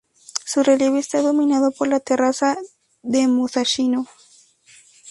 Su relieve está dominado por la terraza de Musashino.